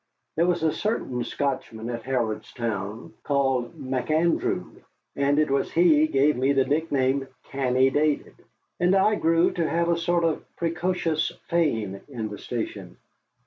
There was a certain Scotchman at Harrodstown called McAndrew, and it was he gave me the nickname "Canny Davy," and I grew to have a sort of precocious fame in the station.